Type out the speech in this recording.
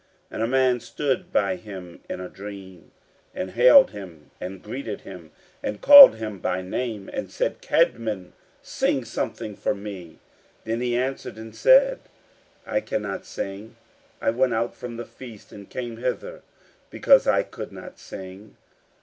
And a man stood by him in a dream, and hailed him, and greeted him, and called him by name, and said: "Cædmon, sing something for me." Then he answered and said: "I cannot sing; I went out from the feast and came hither because I could not sing."